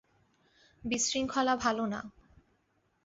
বিশৃঙ্খলা ভালো না।